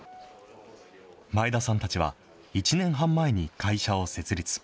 前田さんたちは、１年半前に会社を設立。